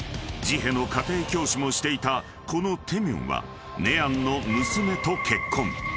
［ジヘの家庭教師もしていたこのテミョンはネアンの娘と結婚］